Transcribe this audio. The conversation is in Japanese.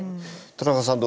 田中さん